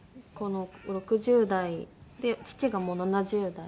６０代で父がもう７０代？